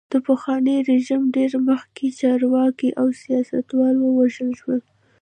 د پخواني رژیم ډېر مخکښ چارواکي او سیاستوال ووژل شول.